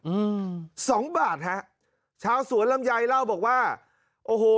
อืมสองบาทฮะชาวสวนลำไยเล่าบอกว่าโอ้โห